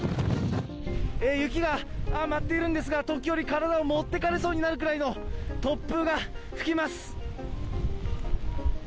雪が舞っているんですが、時折、体を持っていかれそうになるくらいの突風が吹きます。